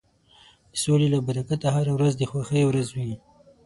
د سولې له برکته هره ورځ د خوښۍ ورځ وي.